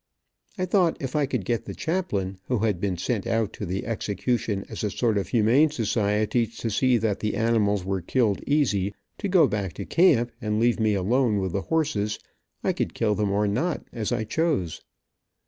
I thought if I could get the chaplain, who had been sent out to the execution as a sort of humane society, to see that the animals were killed easy, to go back to camp and leave me alone with the horses, I could kill them or not, as I chose.